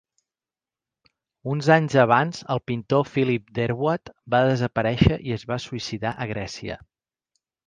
Uns anys abans, el pintor Philip Derwatt va desaparèixer i es va suïcidar a Grècia.